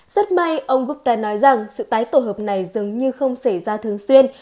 rất may ông rutte nói rằng sự tái tổ hợp này dường như không xảy ra thường xuyên